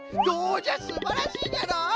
どうじゃすばらしいじゃろ！